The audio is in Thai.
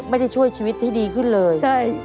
ไม่ได้ช่วยชีวิตที่ดีขึ้นเลยใช่